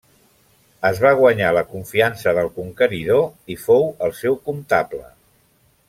Es va guanyar la confiança del conqueridor i fou el seu comptable.